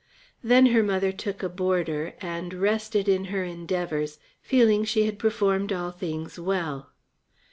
Then her mother took a boarder and rested in her endeavours, feeling she had performed all things well.